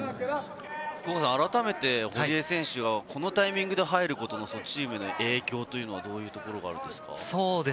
あらためて堀江選手は、このタイミングで入るとチームの影響というのはどういうところがあるんですか？